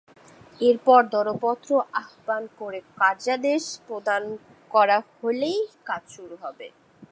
এরপর দরপত্র আহ্বান করে কার্যাদেশ প্রদান করা হলেই কাজ শুরু হবে।